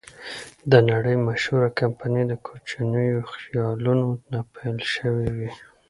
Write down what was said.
د نړۍ مشهوره کمپنۍ د کوچنیو خیالونو نه پیل شوې وې.